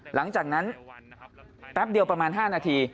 หลังจากนั้นแป๊บเดียวประมาณ๕นาที